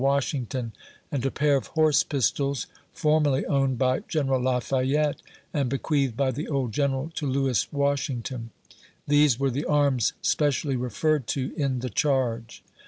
Washington, and a pair of horse pistols, former ly owned by General Lafayette, and bequeathed by the old General to Lewis Washington. These were the arms specially referred to in the charge.